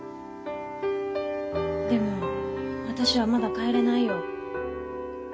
・でも私はまだ帰れないよ。